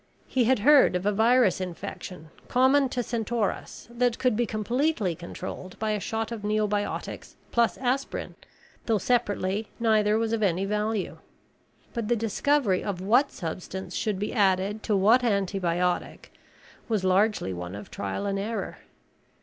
He had heard of a virus infection common to Centaurus that could be completely controlled by a shot of neobiotics plus aspirin, though separately neither was of any value. But the discovery of what substance should be added to what antibiotic was largely one of trial and error.